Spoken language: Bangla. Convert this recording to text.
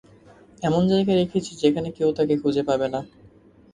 এমন জায়গায় রেখেছি যেখানে কেউ তাকে খুঁজে পাবে না।